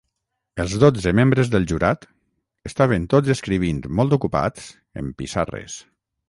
Els dotze membres del jurat estaven tots escrivint molt ocupats en pissarres.